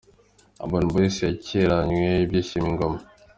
Urban Boyz yakiranywe ibyishimo i Ngoma.